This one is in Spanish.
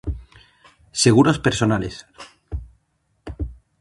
Seguros personales